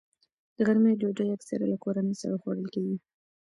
د غرمې ډوډۍ اکثره له کورنۍ سره خوړل کېږي